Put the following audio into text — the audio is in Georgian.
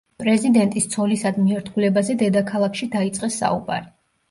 პრეზიდენტის ცოლისადმი ერთგულებაზე დედაქალაქში დაიწყეს საუბარი.